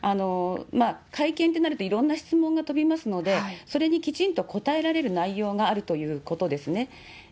会見ってなると、いろんな質問が飛びますので、それにきちんと答えられる内容があるということですね。